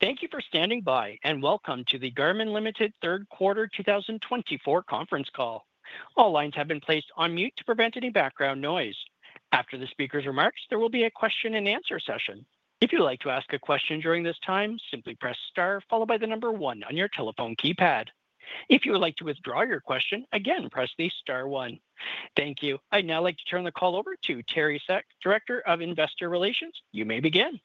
Thank you for standing by, and welcome to the Garmin Limited Third Quarter 2024 conference call. All lines have been placed on mute to prevent any background noise. After the speaker's remarks, there will be a question-and-answer session. If you'd like to ask a question during this time, simply press Star, followed by the number one on your telephone keypad. If you would like to withdraw your question, again, press the Star one. Thank you. I'd now like to turn the call over to Teri Seck, Director of Investor Relations. You may begin.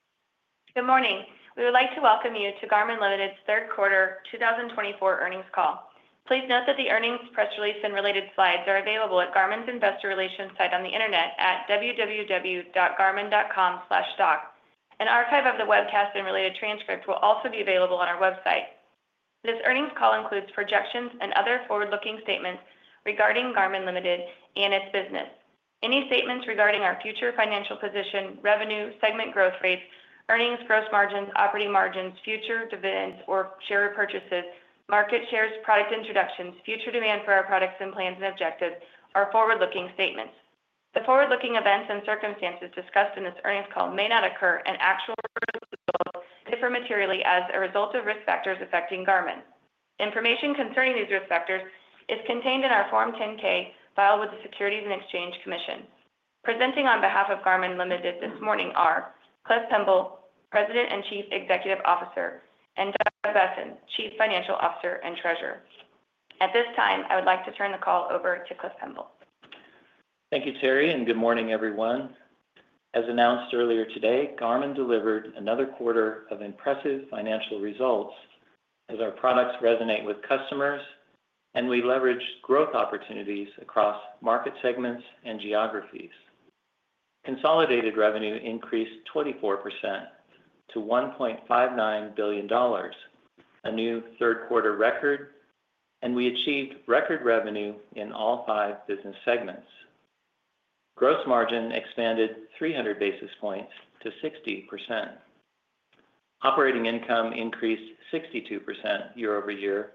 Good morning. We would like to welcome you to Garmin Ltd.'s Third Quarter 2024 earnings call. Please note that the earnings, press release, and related slides are available at Garmin's Investor Relations site on the internet at www.garmin.com/doc. An archive of the webcast and related transcripts will also be available on our website. This earnings call includes projections and other forward-looking statements regarding Garmin Ltd. and its business. Any statements regarding our future financial position, revenue, segment growth rates, earnings, gross margins, operating margins, future dividends or share purchases, market shares, product introductions, future demand for our products and plans and objectives are forward-looking statements. The forward-looking events and circumstances discussed in this earnings call may not occur in actual results and differ materially as a result of risk factors affecting Garmin. Information concerning these risk factors is contained in our Form 10-K filed with the Securities and Exchange Commission. Presenting on behalf of Garmin Ltd. this morning are Cliff Pemble, President and Chief Executive Officer, and Doug Boessen, Chief Financial Officer and Treasurer. At this time, I would like to turn the call over to Cliff Pemble. Thank you, Teri, and good morning, everyone. As announced earlier today, Garmin delivered another quarter of impressive financial results as our products resonate with customers and we leverage growth opportunities across market segments and geographies. Consolidated revenue increased 24% to $1.59 billion, a new third-quarter record, and we achieved record revenue in all five business segments. Gross margin expanded 300 basis points to 60%. Operating income increased 62% year over year,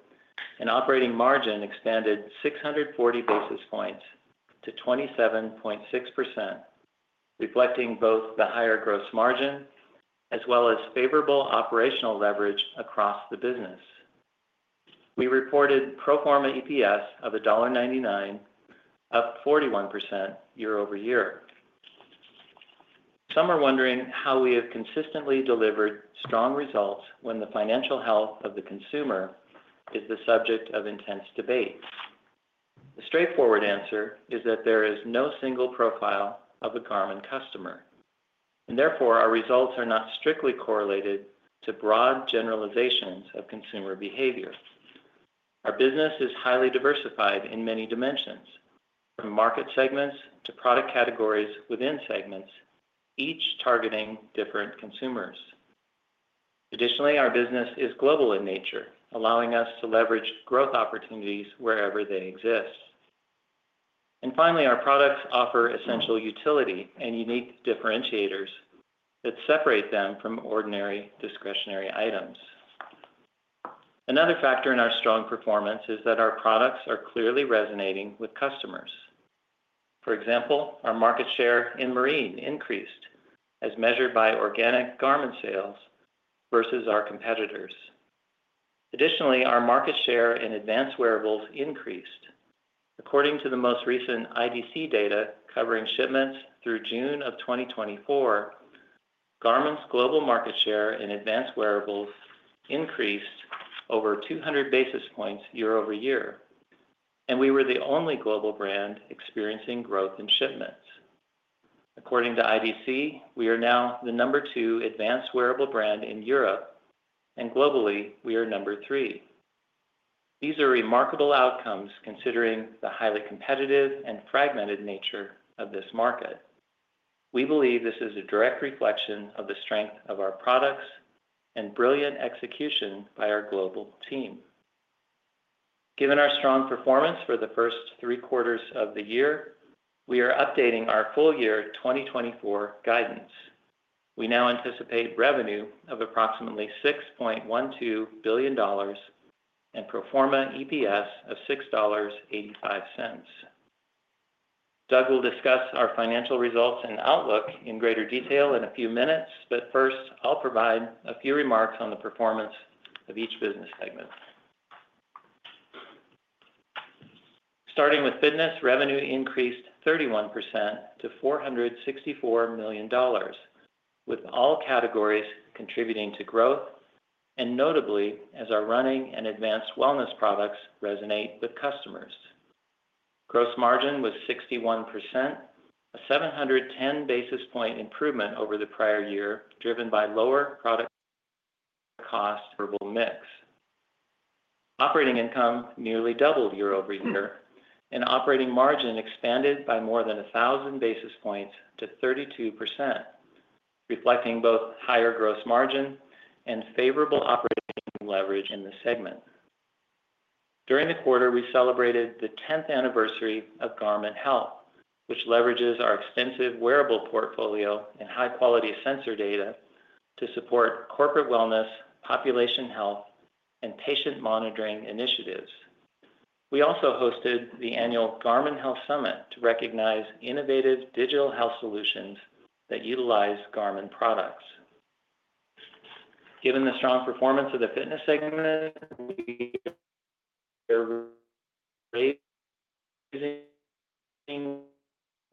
and operating margin expanded 640 basis points to 27.6%, reflecting both the higher gross margin as well as favorable operational leverage across the business. We reported pro forma EPS of $1.99, up 41% year over year. Some are wondering how we have consistently delivered strong results when the financial health of the consumer is the subject of intense debate. The straightforward answer is that there is no single profile of a Garmin customer, and therefore our results are not strictly correlated to broad generalizations of consumer behavior. Our business is highly diversified in many dimensions, from market segments to product categories within segments, each targeting different consumers. Additionally, our business is global in nature, allowing us to leverage growth opportunities wherever they exist. And finally, our products offer essential utility and unique differentiators that separate them from ordinary discretionary items. Another factor in our strong performance is that our products are clearly resonating with customers. For example, our market share in marine increased as measured by organic Garmin sales versus our competitors. Additionally, our market share in advanced wearables increased. According to the most recent IDC data covering shipments through June of 2024, Garmin's global market share in advanced wearables increased over 200 basis points year over year, and we were the only global brand experiencing growth in shipments. According to IDC, we are now the number two advanced wearable brand in Europe, and globally we are number three. These are remarkable outcomes considering the highly competitive and fragmented nature of this market. We believe this is a direct reflection of the strength of our products and brilliant execution by our global team. Given our strong performance for the first three quarters of the year, we are updating our full year 2024 guidance. We now anticipate revenue of approximately $6.12 billion and pro forma EPS of $6.85. Doug will discuss our financial results and outlook in greater detail in a few minutes, but first, I'll provide a few remarks on the performance of each business segment. Starting with fitness, revenue increased 31% to $464 million, with all categories contributing to growth, and notably, as our running and advanced wellness products resonate with customers. Gross margin was 61%, a 710 basis points improvement over the prior year driven by lower product costs We also hosted the annual Garmin Health Summit to recognize innovative digital health solutions that utilize Garmin products. Given the strong performance of the fitness segment,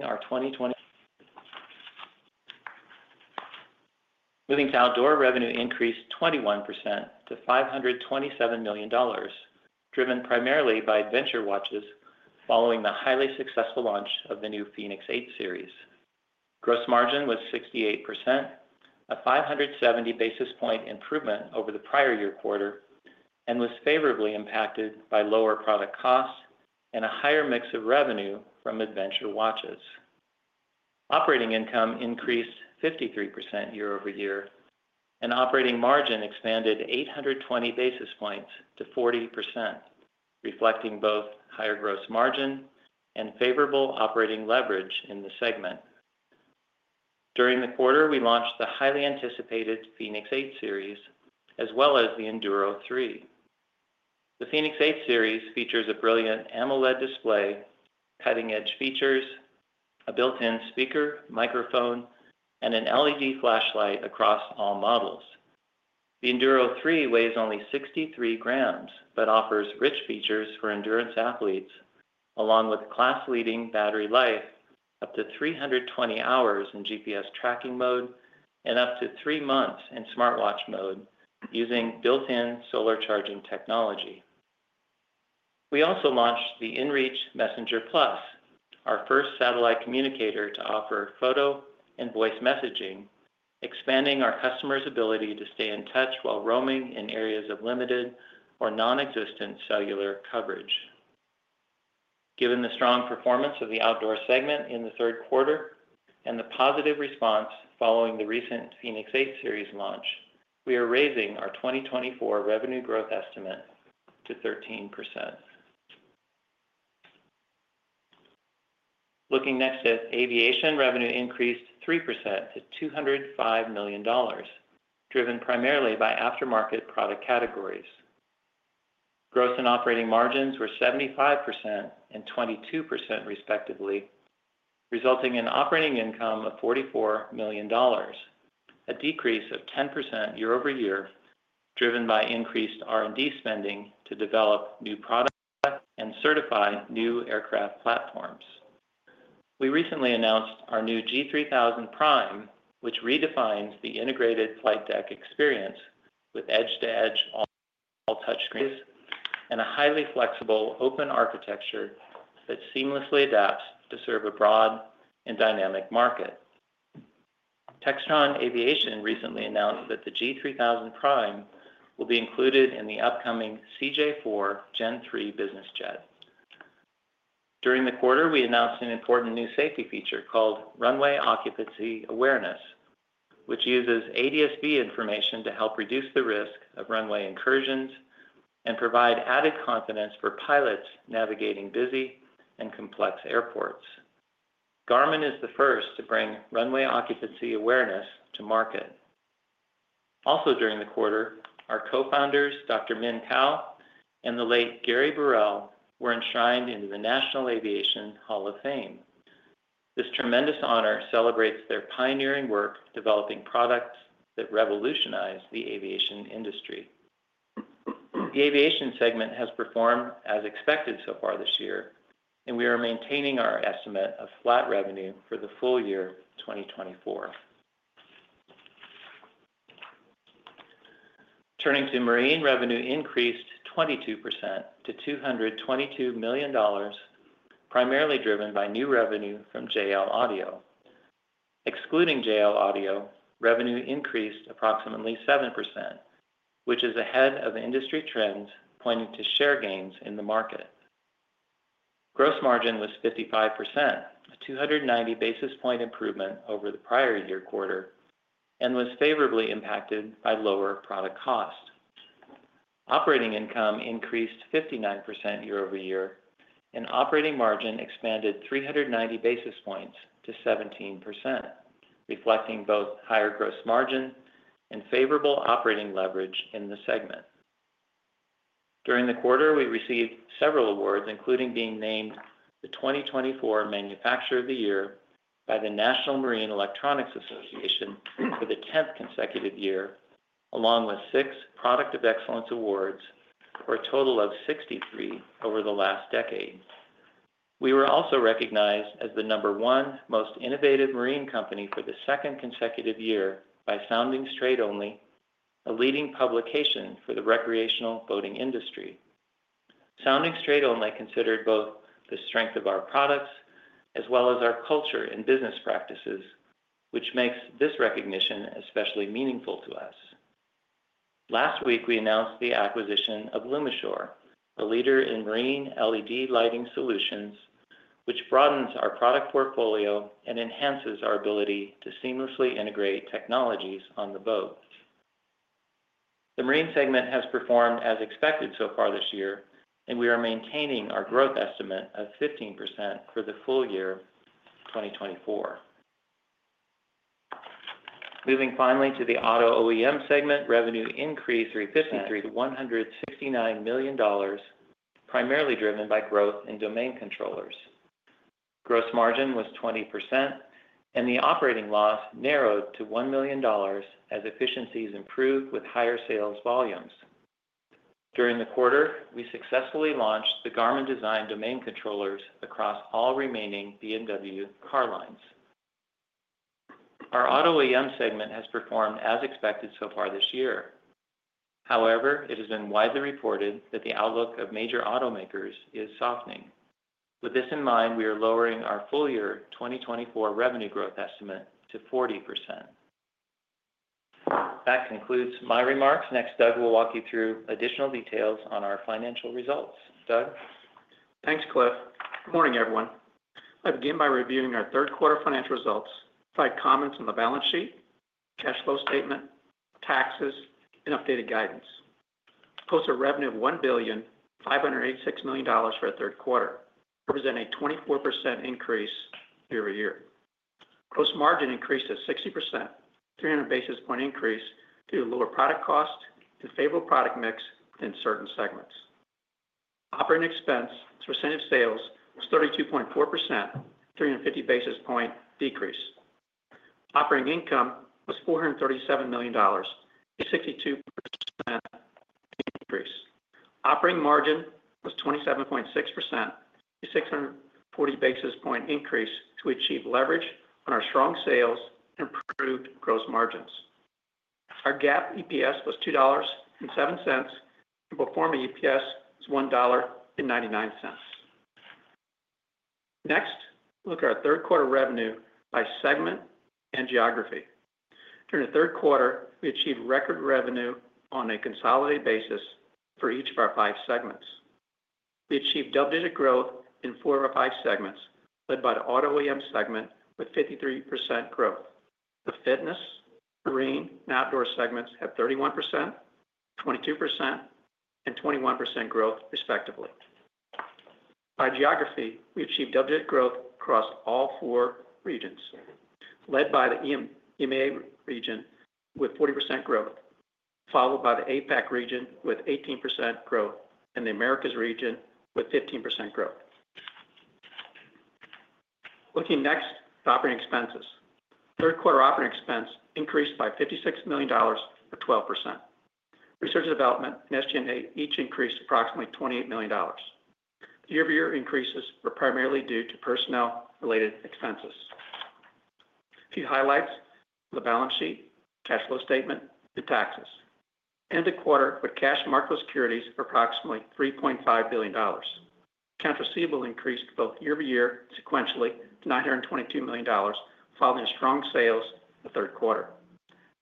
our Q2 outdoor revenue increased 21% to $527 million, driven primarily by adventure watches following the highly successful launch of the new Fenix 8 series. Gross margin was 68%, a 570 basis points improvement over the prior year quarter, and was favorably impacted by lower product costs and a higher mix of revenue from adventure watches. Operating income increased 53% year over year, and operating margin expanded 820 basis points to 40%, reflecting both higher gross margin and favorable operating leverage in the segment. During the quarter, we launched the highly anticipated Fenix 8 series, as well as the Enduro 3. The Fenix 8 series features a brilliant AMOLED display, cutting-edge features, a built-in speaker, microphone, and an LED flashlight across all models. The Enduro 3 weighs only 63 grams but offers rich features for endurance athletes, along with class-leading battery life up to 320 hours in GPS tracking mode and up to three months in smartwatch mode using built-in solar charging technology. We also launched the inReach Messenger Plus, our first satellite communicator to offer photo and voice messaging, expanding our customers' ability to stay in touch while roaming in areas of limited or non-existent cellular coverage. Given the strong performance of the outdoor segment in the third quarter and the positive response following the recent Fenix 8 series launch, we are raising our 2024 revenue growth estimate to 13%. Looking next at aviation, revenue increased 3% to $205 million, driven primarily by aftermarket product categories. Gross and operating margins were 75% and 22%, respectively, resulting in operating income of $44 million, a decrease of 10% year over year, driven by increased R&D spending to develop new products and certify new aircraft platforms. We recently announced our new G3000 Prime, which redefines the integrated flight deck experience with edge-to-edge all-touchscreens and a highly flexible open architecture that seamlessly adapts to serve a broad and dynamic market. Textron Aviation recently announced that the G3000 Prime will be included in the upcoming CJ4 Gen3 business jet. During the quarter, we announced an important new safety feature called Runway Occupancy Awareness, which uses ADS-B information to help reduce the risk of runway incursions and provide added confidence for pilots navigating busy and complex airports. Garmin is the first to bring Runway Occupancy Awareness to market. Also during the quarter, our co-founders, Dr. Min Kao and the late Gary Burrell were enshrined into the National Aviation Hall of Fame. This tremendous honor celebrates their pioneering work developing products that revolutionized the aviation industry. The Aviation segment has performed as expected so far this year, and we are maintaining our estimate of flat revenue for the full year 2024. Turning to Marine, revenue increased 22% to $222 million, primarily driven by new revenue from JL Audio. Excluding JL Audio, revenue increased approximately 7%, which is ahead of industry trends pointing to share gains in the market. Gross margin was 55%, a 290 basis points improvement over the prior year quarter, and was favorably impacted by lower product cost. Operating income increased 59% year over year, and operating margin expanded 390 basis points to 17%, reflecting both higher gross margin and favorable operating leverage in the segment. During the quarter, we received several awards, including being named the 2024 Manufacturer of the Year by the National Marine Electronics Association for the 10th consecutive year, along with six Product of Excellence awards for a total of 63 over the last decade. We were also recognized as the number one most innovative marine company for the second consecutive year by Soundings Trade Only, a leading publication for the recreational boating industry. Soundings Trade Only considered both the strength of our products as well as our culture and business practices, which makes this recognition especially meaningful to us. Last week, we announced the acquisition of Lumishore, a leader in marine LED lighting solutions, which broadens our product portfolio and enhances our ability to seamlessly integrate technologies on the boat. The marine segment has performed as expected so far this year, and we are maintaining our growth estimate of 15% for the full year 2024. Moving finally to the auto OEM segment, revenue increased 35% to $169 million, primarily driven by growth in domain controllers. Gross margin was 20%, and the operating loss narrowed to $1 million as efficiencies improved with higher sales volumes. During the quarter, we successfully launched the Garmin-designed domain controllers across all remaining BMW car lines. Our auto OEM segment has performed as expected so far this year. However, it has been widely reported that the outlook of major automakers is softening. With this in mind, we are lowering our full year 2024 revenue growth estimate to 40%. That concludes my remarks. Next, Doug will walk you through additional details on our financial results. Doug? Thanks, Cliff. Good morning, everyone. I begin by reviewing our third quarter financial results with comments on the balance sheet, cash flow statement, taxes, and updated guidance. We posted revenue of $1,586 million for the third quarter, representing a 24% increase year over year. Gross margin increased to 60%, 300 basis point increase due to lower product cost and favorable product mix in certain segments. Operating expenses as a percentage of sales was 32.4%, 350 basis point decrease. Operating income was $437 million, a 62% increase. Operating margin was 27.6%, a 640 basis point increase to achieve leverage on our strong sales and improved gross margins. Our GAAP EPS was $2.07, and pro forma EPS was $1.99. Next, we look at our third quarter revenue by segment and geography. During the third quarter, we achieved record revenue on a consolidated basis for each of our five segments. We achieved double-digit growth in four of our five segments, led by the auto OEM segment with 53% growth. The fitness, marine, and outdoor segments have 31%, 22%, and 21% growth, respectively. By geography, we achieved double-digit growth across all four regions, led by the EMEA region with 40% growth, followed by the APAC region with 18% growth, and the Americas region with 15% growth. Looking next to operating expenses, third quarter operating expense increased by $56 million for 12%. Research and development and SG&A each increased approximately $28 million. Year-over-year increases were primarily due to personnel-related expenses. Few highlights: the balance sheet, cash flow statement, and taxes. End of quarter with cash and marketable securities for approximately $3.5 billion. Accounts receivable increased both year-over-year and sequentially to $922 million, following strong sales the third quarter.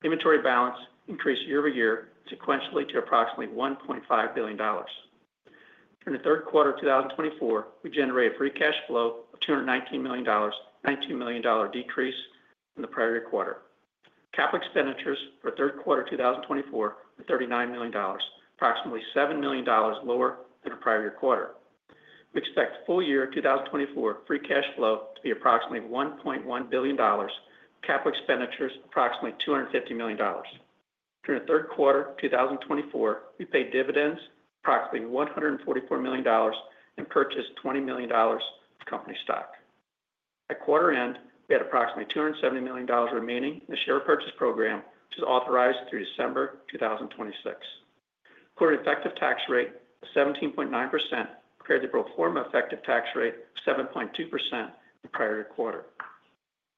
Inventory balance increased year-over-year and sequentially to approximately $1.5 billion. During the third quarter of 2024, we generated free cash flow of $219 million, a $92 million decrease from the prior year quarter. Capital expenditures for third quarter 2024 were $39 million, approximately $7 million lower than the prior year quarter. We expect full year 2024 free cash flow to be approximately $1.1 billion, capital expenditures approximately $250 million. During the third quarter 2024, we paid dividends approximately $144 million and purchased $20 million of company stock. At quarter end, we had approximately $270 million remaining in the share purchase program, which is authorized through December 2026. Our effective tax rate was 17.9% compared to the pro forma effective tax rate of 7.2% in prior year quarter.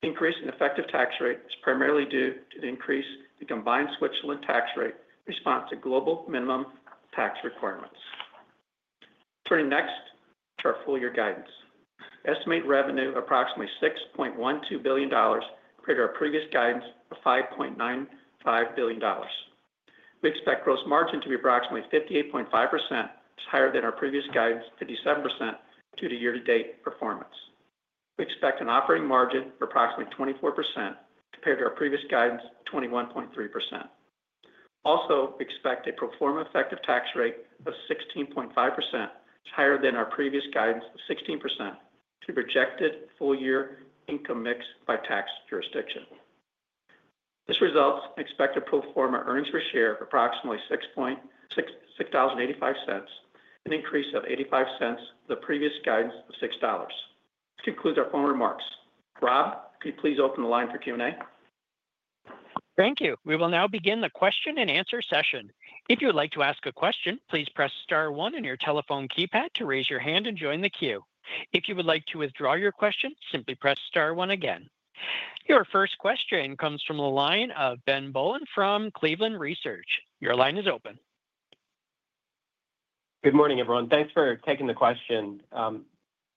Increase in effective tax rate is primarily due to the increase in blended Swiss limiting tax rate in response to global minimum tax requirements. Turning next to our full year guidance, estimate revenue approximately $6.12 billion compared to our previous guidance of $5.95 billion. We expect gross margin to be approximately 58.5%, which is higher than our previous guidance of 57% due to year-to-date performance. We expect an operating margin of approximately 24% compared to our previous guidance of 21.3%. Also, we expect a pro forma effective tax rate of 16.5%, which is higher than our previous guidance of 16% to projected full year income mix by tax jurisdiction. This results in expected pro forma earnings per share of approximately $6.85, an increase of $0.85 from the previous guidance of $6. This concludes our final remarks. Rob, could you please open the line for Q&A? Thank you. We will now begin the question-and-answer session. If you'd like to ask a question, please press star one in your telephone keypad to raise your hand and join the queue. If you would like to withdraw your question, simply press star one again. Your first question comes from the line of Ben Bollin from Cleveland Research. Your line is open. Good morning, everyone. Thanks for taking the question.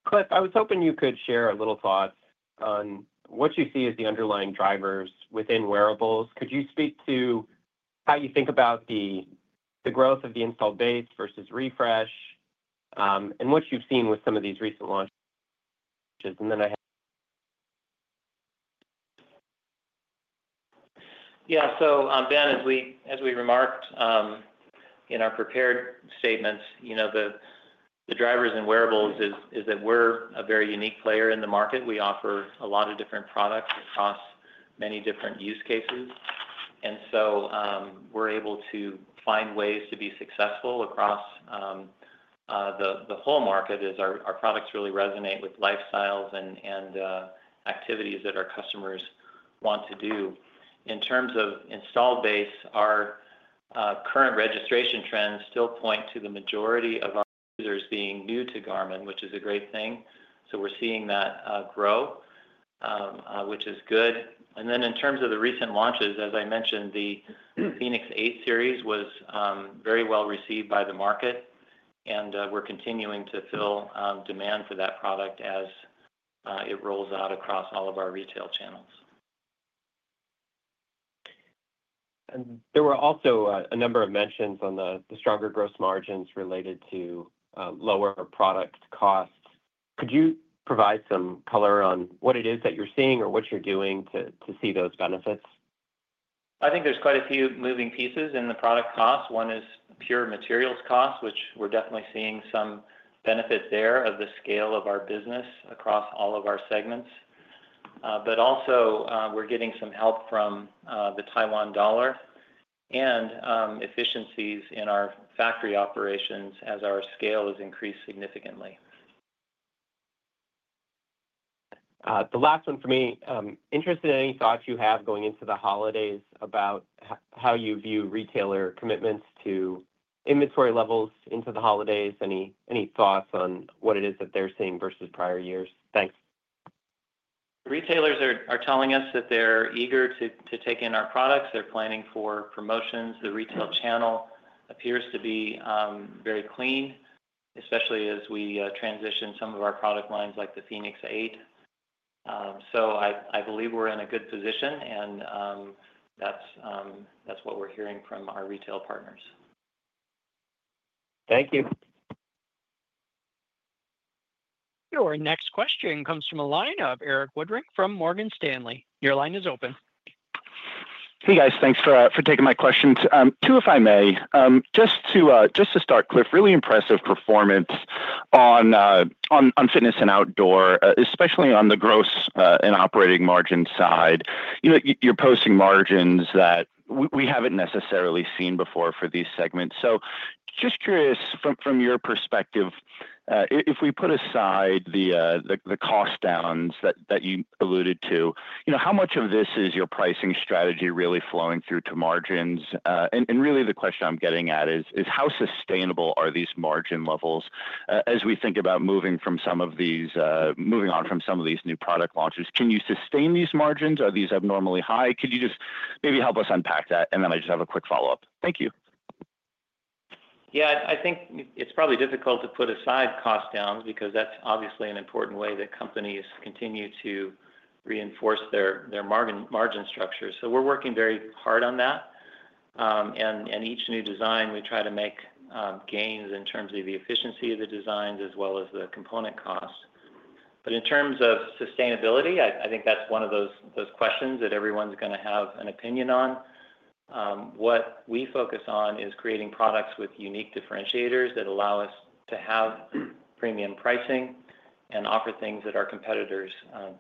Cliff, I was hoping you could share a little thought on what you see as the underlying drivers within wearables. Could you speak to how you think about the growth of the installed base versus refresh and what you've seen with some of these recent launches? And then I have. Yeah. So, Ben, as we remarked in our prepared statements, the drivers in wearables is that we're a very unique player in the market. We offer a lot of different products across many different use cases. And so we're able to find ways to be successful across the whole market as our products really resonate with lifestyles and activities that our customers want to do. In terms of installed base, our current registration trends still point to the majority of our users being new to Garmin, which is a great thing. So we're seeing that grow, which is good. And then in terms of the recent launches, as I mentioned, the Fenix 8 series was very well received by the market, and we're continuing to fill demand for that product as it rolls out across all of our retail channels. And there were also a number of mentions on the stronger gross margins related to lower product costs. Could you provide some color on what it is that you're seeing or what you're doing to see those benefits? I think there's quite a few moving pieces in the product costs. One is pure materials costs, which we're definitely seeing some benefit there of the scale of our business across all of our segments. But also, we're getting some help from the Taiwan dollar and efficiencies in our factory operations as our scale has increased significantly. The last one for me, interested in any thoughts you have going into the holidays about how you view retailer commitments to inventory levels into the holidays, any thoughts on what it is that they're seeing versus prior years? Thanks. Retailers are telling us that they're eager to take in our products. They're planning for promotions. The retail channel appears to be very clean, especially as we transition some of our product lines like the Fenix 8. So I believe we're in a good position, and that's what we're hearing from our retail partners. Thank you. Your next question comes from a line of Erik Woodring from Morgan Stanley. Your line is open. Hey, guys. Thanks for taking my questions. Two, if I may. Just to start, Cliff, really impressive performance on fitness and outdoor, especially on the gross and operating margin side. You're posting margins that we haven't necessarily seen before for these segments. So just curious, from your perspective, if we put aside the cost downs that you alluded to, how much of this is your pricing strategy really flowing through to margins? And really, the question I'm getting at is, how sustainable are these margin levels as we think about moving on from some of these new product launches? Can you sustain these margins? Are these abnormally high? Could you just maybe help us unpack that? And then I just have a quick follow-up. Thank you. Yeah. I think it's probably difficult to put aside cost downs because that's obviously an important way that companies continue to reinforce their margin structure. So we're working very hard on that. And each new design, we try to make gains in terms of the efficiency of the designs as well as the component costs. But in terms of sustainability, I think that's one of those questions that everyone's going to have an opinion on. What we focus on is creating products with unique differentiators that allow us to have premium pricing and offer things that our competitors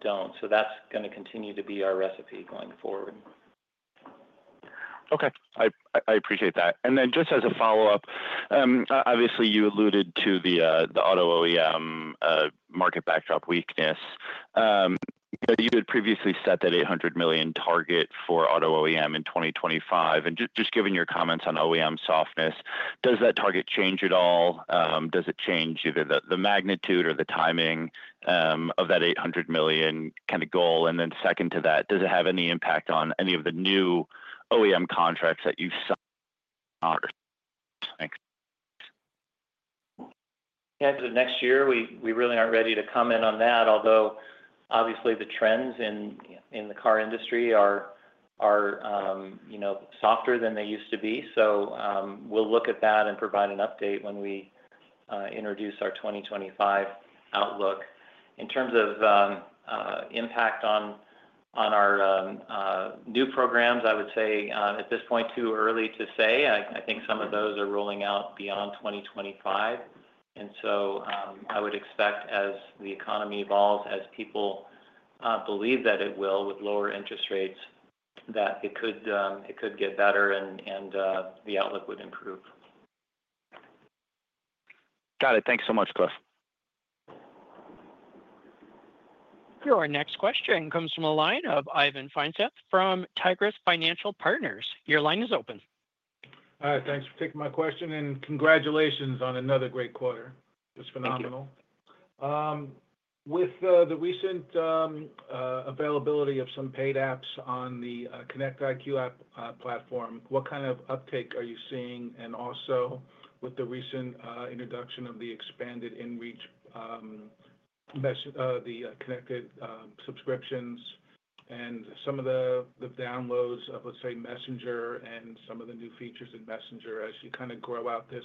don't. So that's going to continue to be our recipe going forward. Okay. I appreciate that. And then just as a follow-up, obviously, you alluded to the Auto OEM market backdrop weakness. You had previously set that $800 million target for auto OEM in 2025, and just given your comments on OEM softness, does that target change at all? Does it change either the magnitude or the timing of that $800 million kind of goal? And then second to that, does it have any impact on any of the new OEM contracts that you've signed? Thanks. Yeah. For the next year, we really aren't ready to comment on that, although obviously, the trends in the car industry are softer than they used to be, so we'll look at that and provide an update when we introduce our 2025 outlook. In terms of impact on our new programs, I would say at this point, too early to say. I think some of those are rolling out beyond 2025. And so I would expect, as the economy evolves, as people believe that it will with lower interest rates, that it could get better and the outlook would improve. Got it. Thanks so much, Cliff. Your next question comes from a line of Ivan Feinseth from Tigris Financial Partners. Your line is open. All right. Thanks for taking my question. And congratulations on another great quarter. It was phenomenal. Thank you. With the recent availability of some paid apps on the Connect IQ app platform, what kind of uptake are you seeing? And also, with the recent introduction of the expanded inReach, the connected subscriptions, and some of the downloads of, let's say, Messenger and some of the new features in Messenger as you kind of grow out this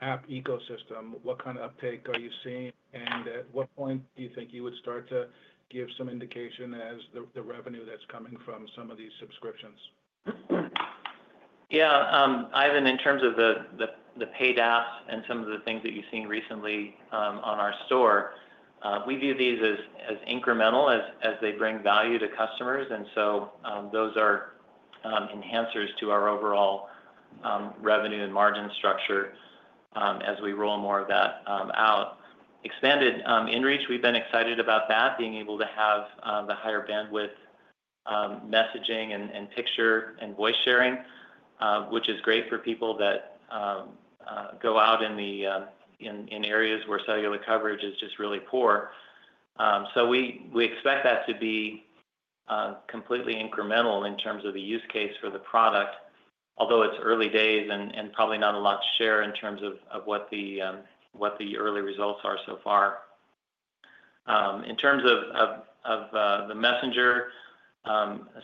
app ecosystem, what kind of uptake are you seeing? And at what point do you think you would start to give some indication as the revenue that's coming from some of these subscriptions? Yeah. Ivan, in terms of the paid apps and some of the things that you've seen recently on our store, we view these as incremental as they bring value to customers. And so those are enhancers to our overall revenue and margin structure as we roll more of that out. Expanded inReach, we've been excited about that, being able to have the higher bandwidth messaging and picture and voice sharing, which is great for people that go out in areas where cellular coverage is just really poor. So we expect that to be completely incremental in terms of the use case for the product, although it's early days and probably not a lot to share in terms of what the early results are so far. In terms of the Messenger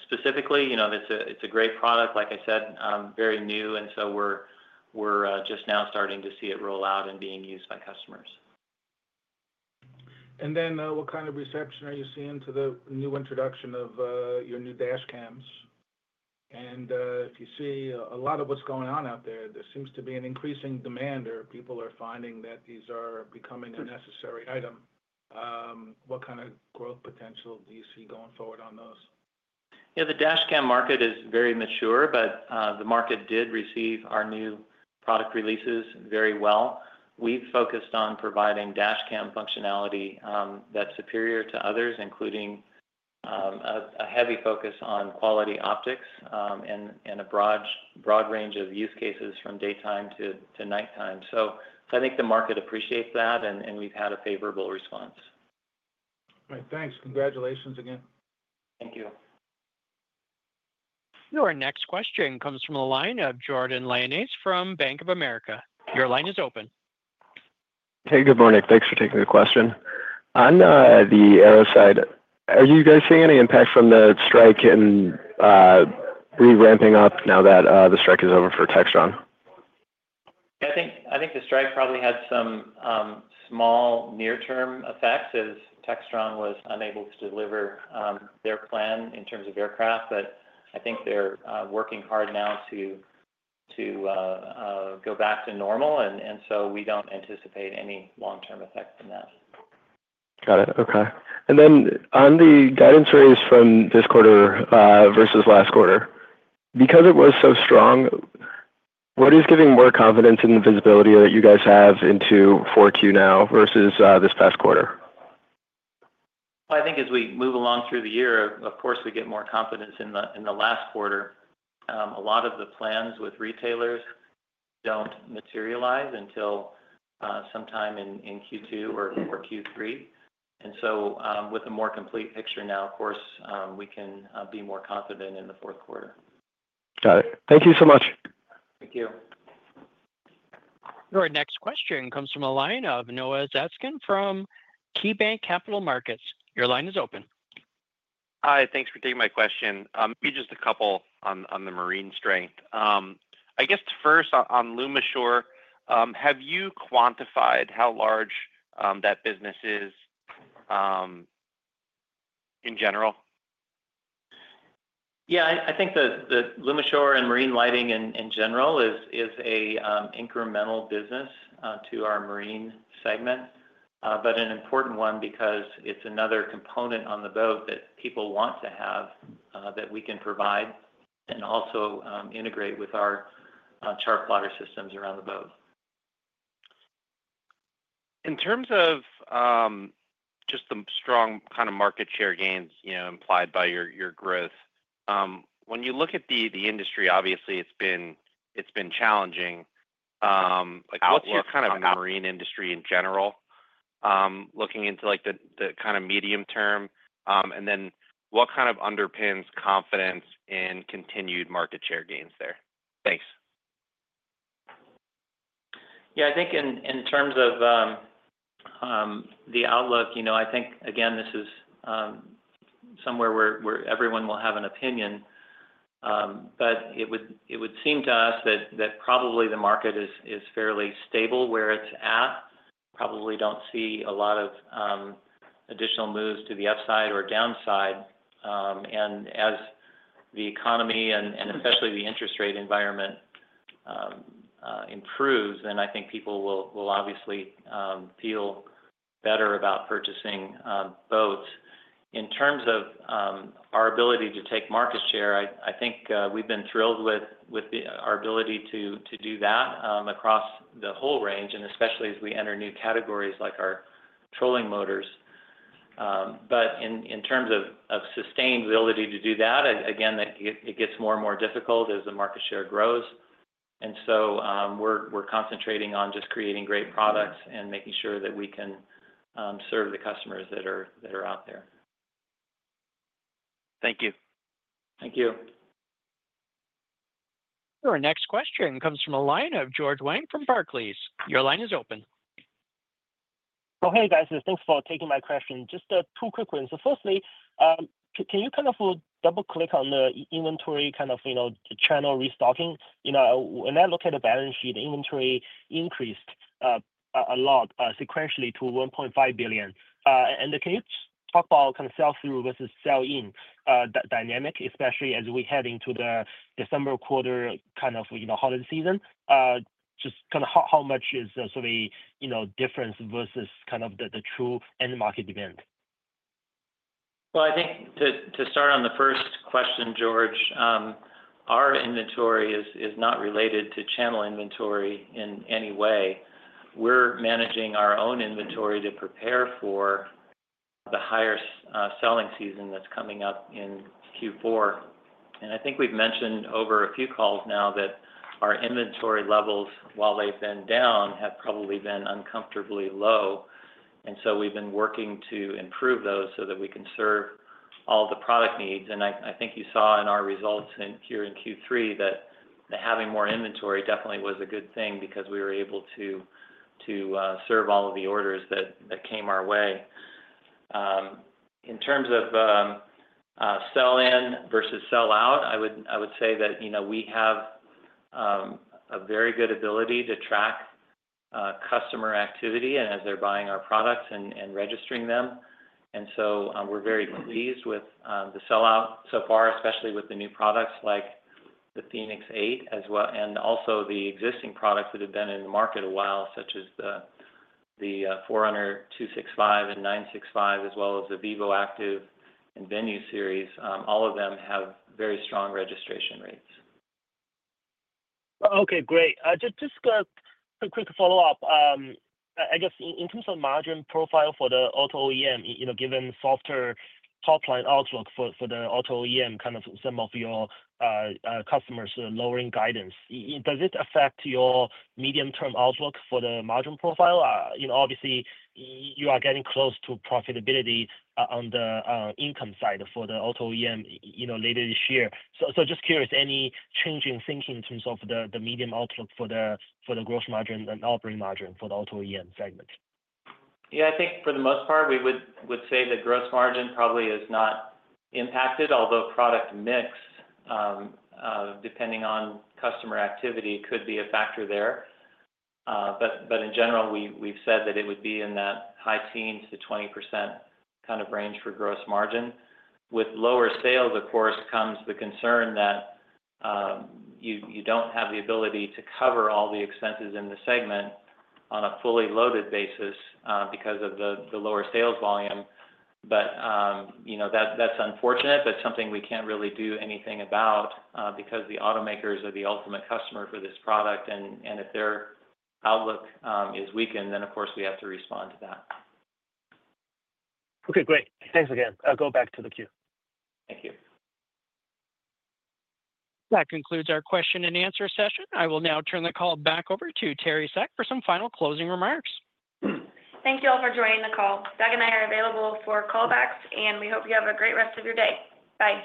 specifically, it's a great product, like I said, very new. And so we're just now starting to see it roll out and being used by customers. And then what kind of reception are you seeing to the new introduction of your new dash cams? And if you see a lot of what's going on out there, there seems to be an increasing demand or people are finding that these are becoming a necessary item. What kind of growth potential do you see going forward on those? Yeah. The dash cam market is very mature, but the market did receive our new product releases very well. We've focused on providing dash cam functionality that's superior to others, including a heavy focus on quality optics and a broad range of use cases from daytime to nighttime. So I think the market appreciates that, and we've had a favorable response. All right. Thanks. Congratulations again. Thank you. Your next question comes from a line of Jordan Lyonnais from Bank of America. Your line is open. Hey, good morning. Thanks for taking the question. On the Aero side, are you guys seeing any impact from the strike and reramping up now that the strike is over for Textron? I think the strike probably had some small near-term effects as Textron was unable to deliver their planes in terms of aircraft. But I think they're working hard now to go back to normal. And so we don't anticipate any long-term effects from that. Got it. Okay. And then on the guidance raise from this quarter versus last quarter, because it was so strong, what is giving more confidence in the visibility that you guys have into 4Q now versus this past quarter? Well, I think as we move along through the year, of course, we get more confidence in the last quarter. A lot of the plans with retailers don't materialize until sometime in Q2 or Q3. And so with a more complete picture now, of course, we can be more confident in the fourth quarter. Got it. Thank you so much. Thank you. Your next question comes from a line of Noah Zatzkin from KeyBank Capital Markets. Your line is open. Hi. Thanks for taking my question. Maybe just a couple on the marine strength. I guess first, on Lumishore, have you quantified how large that business is in general? Yeah. I think that Lumishore and marine lighting in general is an incremental business to our marine segment, but an important one because it's another component on the boat that people want to have that we can provide and also integrate with our chartplotter systems around the boat. In terms of just the strong kind of market share gains implied by your growth, when you look at the industry, obviously, it's been challenging. What's your kind of marine industry in general looking into the kind of medium term? And then what kind of underpins confidence in continued market share gains there? Thanks. Yeah. I think in terms of the outlook, I think, again, this is somewhere where everyone will have an opinion. But it would seem to us that probably the market is fairly stable where it's at. Probably don't see a lot of additional moves to the upside or downside. And as the economy and especially the interest rate environment improves, then I think people will obviously feel better about purchasing boats. In terms of our ability to take market share, I think we've been thrilled with our ability to do that across the whole range, and especially as we enter new categories like our trolling motors. But in terms of sustainability to do that, again, it gets more and more difficult as the market share grows. And so we're concentrating on just creating great products and making sure that we can serve the customers that are out there. Thank you. Thank you. Your next question comes from a line of George Wang from Barclays. Your line is open. Oh, hey, guys. Thanks for taking my question. Just two quick ones. So, firstly, can you kind of double-click on the inventory kind of channel restocking? When I look at the balance sheet, inventory increased a lot sequentially to $1.5 billion. And can you talk about kind of sell-through versus sell-in dynamic, especially as we head into the December quarter kind of holiday season? Just kind of how much is sort of the difference versus kind of the true end-market demand? Well, I think to start on the first question, George, our inventory is not related to channel inventory in any way. We're managing our own inventory to prepare for the higher selling season that's coming up in Q4. And I think we've mentioned over a few calls now that our inventory levels, while they've been down, have probably been uncomfortably low. And so we've been working to improve those so that we can serve all the product needs. I think you saw in our results here in Q3 that having more inventory definitely was a good thing because we were able to serve all of the orders that came our way. In terms of sell-in versus sell-out, I would say that we have a very good ability to track customer activity and as they're buying our products and registering them. So we're very pleased with the sell-out so far, especially with the new products like the Fenix 8 and also the existing products that have been in the market a while, such as the Forerunner 265 and 965, as well as the Vivoactive and Venu series. All of them have very strong registration rates. Okay. Great. Just a quick follow-up. I guess in terms of margin profile for the auto OEM, given softer top-line outlook for the auto OEM, kind of some of your customers' lowering guidance, does it affect your medium-term outlook for the margin profile? Obviously, you are getting close to profitability on the income side for the auto OEM later this year. So just curious, any change in thinking in terms of the medium outlook for the gross margin and operating margin for the auto OEM segment? Yeah. I think for the most part, we would say the gross margin probably is not impacted, although product mix, depending on customer activity, could be a factor there. But in general, we've said that it would be in that high teens to 20% kind of range for gross margin. With lower sales, of course, comes the concern that you don't have the ability to cover all the expenses in the segment on a fully loaded basis because of the lower sales volume. But that's unfortunate, but something we can't really do anything about because the automakers are the ultimate customer for this product. And if their outlook is weakened, then, of course, we have to respond to that. Okay. Great. Thanks again. I'll go back to the queue. Thank you. That concludes our question and answer session. I will now turn the call back over to Teri Seck for some final closing remarks. Thank you all for joining the call. Doug and I are available for callbacks, and we hope you have a great rest of your day. Bye.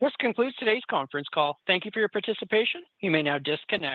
This concludes today's conference call. Thank you for your participation. You may now disconnect.